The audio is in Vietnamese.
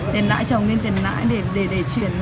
tiền lãi chồng nên tiền lãi để chuyển